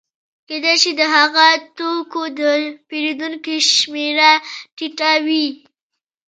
کېدای شي د هغه توکو د پېرودونکو شمېره ټیټه وي